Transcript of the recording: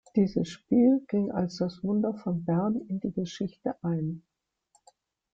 Dieses Spiel ging als das Wunder von Bern in die Geschichte ein.